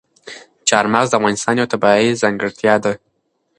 چار مغز د افغانستان یوه طبیعي ځانګړتیا ده.